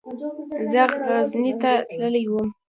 زه غزني ته تللی وم.